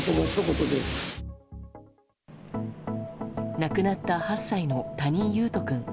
亡くなった８歳の谷井勇斗君。